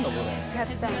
やったの。